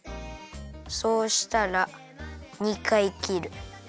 そうしたら２かいきる。